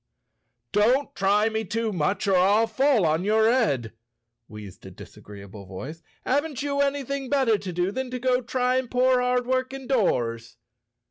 "Don't try me too much or I'll fall on your head," wheezed a disagreeable voice. "Haven't you anything better to do than go trying poor hard working doors?"